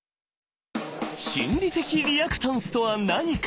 心理的リアクタンスとは何か？